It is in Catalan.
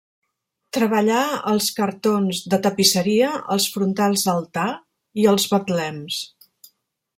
Treballà els cartons de tapisseria, els frontals d'altar i els betlems.